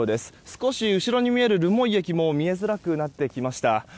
少し後ろに見える留萌駅も見えづらくなってきました。